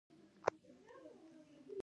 سوز د لبرېزو نيزارونو راته ګوته په غاښ